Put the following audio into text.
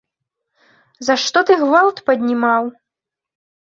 За што ты гвалт паднімаў?